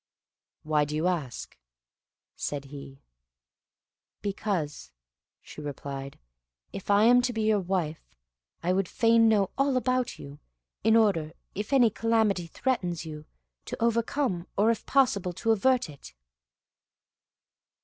"Why do you ask?" said he. "Because," she replied. "if I am to be your wife, I would fain know all about you, in order, if any calamity threatens you, to overcome, or if possible to avert it."